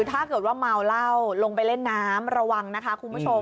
ถ้าเกิดว่าเมาเหล้าลงไปเล่นน้ำระวังนะคะคุณผู้ชม